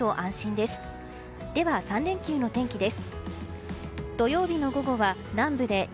では、３連休の天気です。